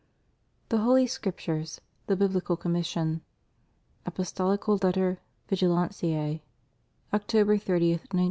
THE HOLY SCRIPTURES; THE BIBLICAL COMMISSION. Apostolical Letter Vigilantioe, October 30, 1902.